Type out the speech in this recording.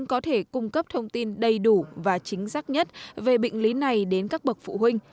có thể cung cấp thông tin đầy đủ và chính xác nhất về bệnh lý này đến các bậc phụ huynh